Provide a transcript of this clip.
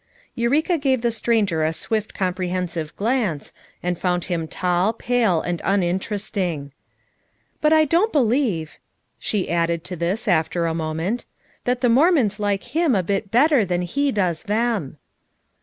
" Eureka gave the stranger a swift compre hensive glance, and found him tall, pale, and uninteresting. "But I don't believe," she added to this after a moment, "that the Mor mons like him a bit better than he does them."